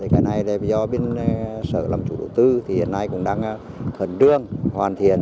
cái này do sở làm chủ đầu tư hiện nay cũng đang hận trương hoàn thiện